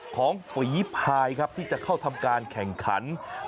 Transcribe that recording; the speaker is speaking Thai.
ฝีพายครับที่จะเข้าทำการแข่งขัน